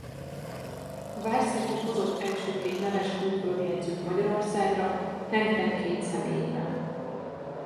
Várszegi hozott elsőként neves külföldi edzőt Magyarországra Henk Ten Cate személyében.